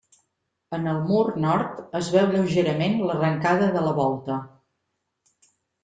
En el mur nord es veu lleugerament l'arrencada de la volta.